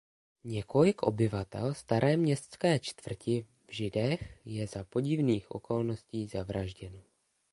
Několik obyvatel staré městské čtvrti „v Židech“ je za podivných okolností zavražděno.